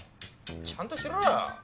ちゃんとしろよ！